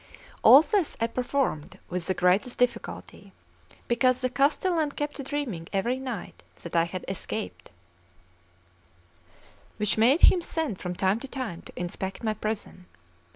All this I performed with the greatest difficulty, because the castellan kept dreaming every night that I had escaped, which made him send from time to time to inspect my prison.